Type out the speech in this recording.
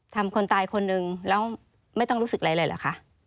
คนตายคนหนึ่งแล้วไม่ต้องรู้สึกอะไรเลยเหรอคะ